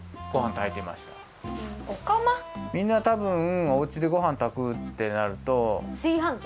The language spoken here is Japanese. みんなたぶんおうちでごはんたくってなると。